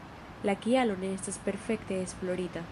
La kialo ne estas perfekte esplorita.